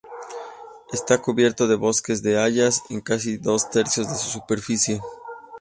Está cubierto de bosques de hayas en casi dos tercios de su superficie.